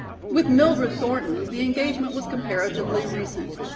With Mildred Thornton the engagement was comparatively recent.